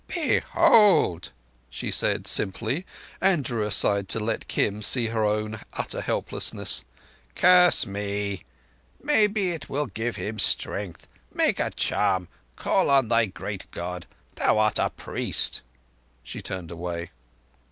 "Behold!" she said simply, and drew aside to let Kim see his own utter helplessness. "Curse me. Maybe it will give him strength. Make a charm! Call on thy great God. Thou art a priest." She turned away.